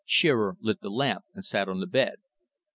Shearer lit the lamp and sat on the bed.